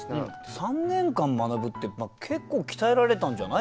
３年間学ぶって結構鍛えられたんじゃない？